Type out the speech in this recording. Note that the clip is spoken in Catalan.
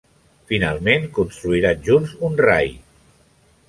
Finalment, construiran junts un rai.